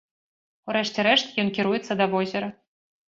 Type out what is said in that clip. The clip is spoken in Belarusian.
У рэшце рэшт, ён кіруецца да возера.